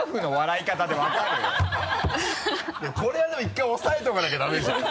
いやこれはでも１回押さえとかなきゃダメじゃん。